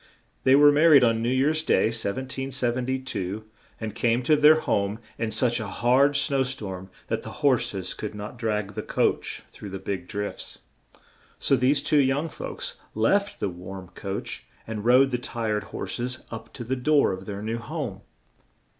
They were mar ried on New Year's Day, 1772, and came to their home in such a hard snow storm that the hors es could not drag the coach through the big drifts, so these two young folks left the warm coach, and rode the tired hors es up to the door of their new home.